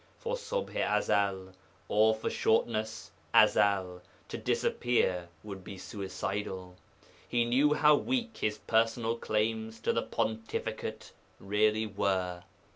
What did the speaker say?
For Ṣubḥ i Ezel (or, for shortness, Ezel) to disappear would be suicidal; he knew how weak his personal claims to the pontificate really were.